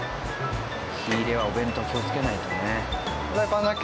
火入れはお弁当気をつけないとね。